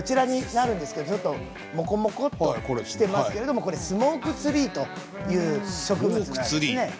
もこもこっとしていますけれどもスモークツリーという植物です。